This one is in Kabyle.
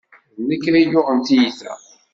D nekk ay yuɣen tiyita.